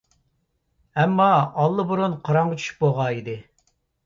ئەمما، ئاللىبۇرۇن قاراڭغۇ چۈشۈپ بولغان ئىدى.